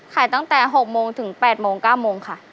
ตั้งแต่๖โมงถึง๘โมง๙โมงค่ะ